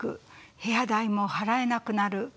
部屋代も払えなくなる。